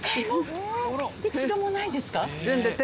一度もないですか？